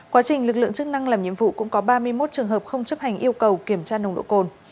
quá trình lực lượng chức năng làm nhiệm vụ cũng có ba mươi một trường hợp không chấp hành yêu cầu kiểm tra nồng độ cồn